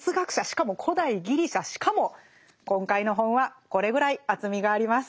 しかも古代ギリシャしかも今回の本はこれぐらい厚みがあります。